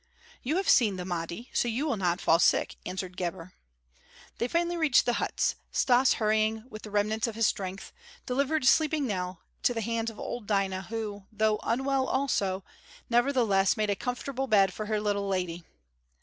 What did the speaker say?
"You have seen the Mahdi, so you will not fall sick," answered Gebhr. They finally reached the huts. Stas, hurrying with the remnants of his strength, delivered sleeping Nell to the hands of old Dinah, who, though unwell also, nevertheless made a comfortable bed for her little lady.